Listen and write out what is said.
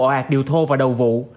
ọ ạt điều thô và đầu vụ